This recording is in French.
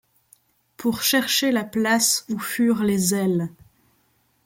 Pour chercher la place où furent les ailes.